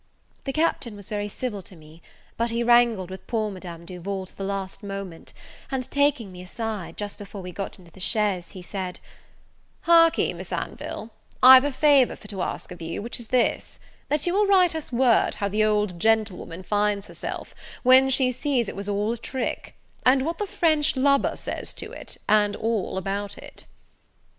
The Captain was very civil to me: but he wrangled with poor Madame Duval to the last moment; and, taking me aside, just before we got into the chaise, he said, "Hark'ee, Miss Anville, I've a favour for to ask of you, which is this; that you will write us word how the old gentlewoman finds herself, when she sees it was all a trick; and what the French lubber says to it, and all about it."